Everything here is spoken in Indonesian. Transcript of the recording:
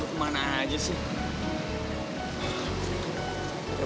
lu kemana aja sih